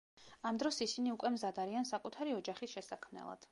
ამ დროს ისინი უკვე მზად არიან საკუთარი ოჯახის შესაქმნელად.